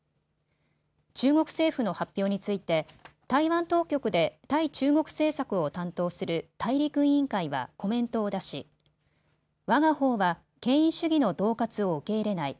中国政府の発表について台湾当局で対中国政策を担当する大陸委員会はコメントを出しわがほうは権威主義のどう喝を受け入れない。